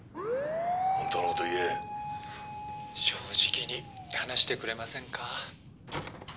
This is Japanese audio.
「本当の事を言え」「正直に話してくれませんか？」